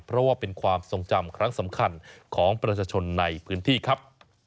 เพราะว่าเป็นความทรงจำครั้งสำคัญของประชาชนในพื้นที่ครับ